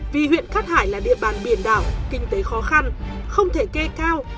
vì huyện cát hải là địa bàn biển đảo kinh tế khó khăn không thể kê cao